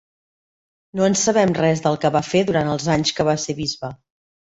No en sabem res del que va fer durant els anys que va ser bisbe.